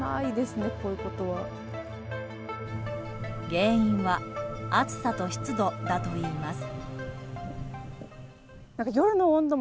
原因は暑さと湿度だといいます。